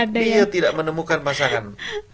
dia tidak menemukan pasangan